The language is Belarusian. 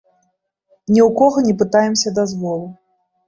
Ні ў кога не пытаемся дазволу.